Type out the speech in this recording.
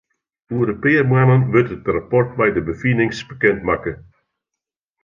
Oer in pear moannen wurdt it rapport mei de befinings bekend makke.